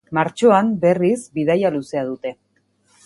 Martxoan, berriz, bidaia luzea dute.